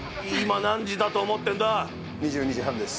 今、２２時半です。